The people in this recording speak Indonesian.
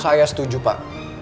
saya setuju pak